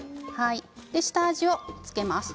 下味を付けます。